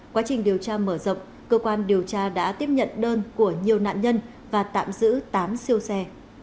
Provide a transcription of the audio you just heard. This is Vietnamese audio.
quá trình điều tra mở rộng cơ quan điều tra đã tiếp nhận đơn của nhiều nạn nhân và tạm giữ tám siêu xe